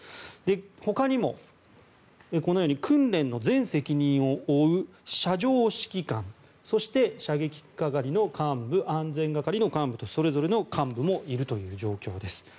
ほかにもこのように訓練の全責任を負う射場指揮官そして射撃係の幹部、安全係の幹部それぞれの幹部もいるという状況です。